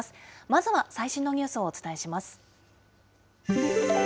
まずは最新のニュースをお伝えします。